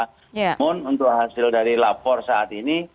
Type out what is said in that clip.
namun untuk hasil dari lapor saat ini